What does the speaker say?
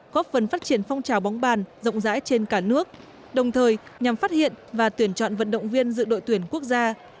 góp phần phát triển phong trào bóng bàn rộng rãi trên cả nước đồng thời nhằm phát hiện và tuyển chọn vận động viên dự đội tuyển quốc gia